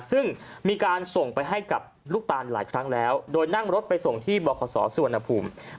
ซึ่งมีการส่งไปให้กับลูกตานหลายครั้งแล้วโดยนั่งรถไปส่งที่บขสุวรรณภูมิ